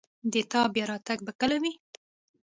د تا بیا راتګ به کله وي